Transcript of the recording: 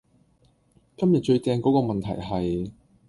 今日最正嗰個問題係